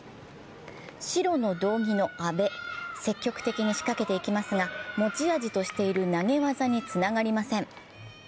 白の胴着の阿部、積極的に仕掛けていきますが、持ち味としている投げ技につながりません。